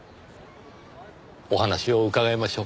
お話を伺いましょうか。